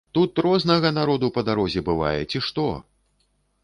Тут рознага народу па дарозе бывае, ці што!